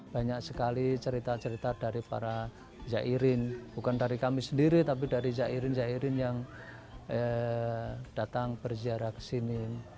banyak sekali cerita cerita dari para zairin bukan dari kami sendiri tapi dari zairin zairin yang datang berziarah ke sini